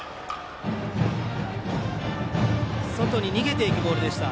外に逃げていくボールでした。